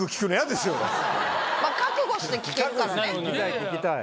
覚悟して聞けるからね。